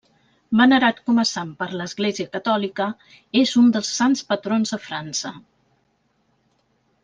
Venerat com a sant per l'Església catòlica, és un dels sants patrons de França.